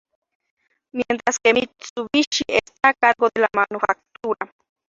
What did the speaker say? Mientras que Mitsubishi está a cargo de la manufactura.